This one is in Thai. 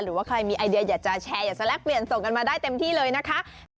หรือว่าใครมีไอเดียอยากจะแชร์อยากจะแลกเปลี่ยนส่งกันมาได้เต็มที่เลยนะคะ